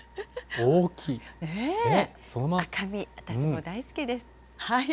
赤身、私も大好きです。